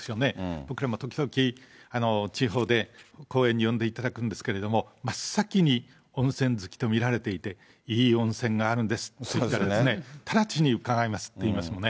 僕らも時々、地方で講演、呼んでいただくんですけれども、真っ先に、温泉好きと見られていて、いい温泉があるんですって、言われたら直ちに伺いますって言いますもんね。